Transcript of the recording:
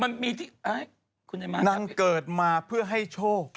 มันมีที่นางเกิดมาเพื่อให้โชค